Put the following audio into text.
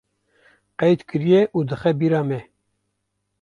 qeyd kiriye û dixe bîra me